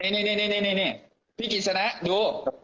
นี่พี่กิจสนะดู